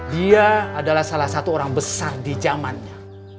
dia adalah salah satu orang besar di zamannya